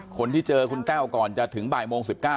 คนที่เจอคุณแต้วก่อนจะถึงบ่ายโมง๑๙